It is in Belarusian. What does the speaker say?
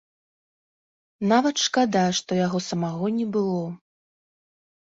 Нават шкада, што яго самога не было.